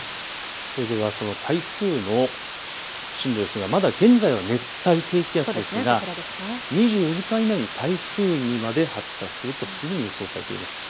それではその台風の進路ですがまだ現在は熱帯低気圧ですが２４時間以内に台風にまで発達するというふうに予想されています。